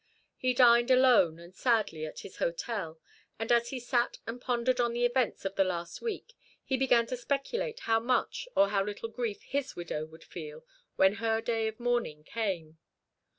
He dined alone and sadly at his hotel; and as he sat and pondered on the events of the last week, he began to speculate how much or how little grief his widow would feel when her day of mourning came.